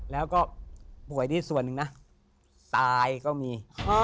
แล้วก็ป่วยที่ส่วนหนึ่งนะตายก็มี